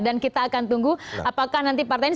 dan kita akan tunggu apakah nanti partai ini